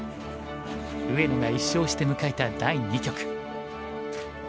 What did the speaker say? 上野が１勝して迎えた第２局。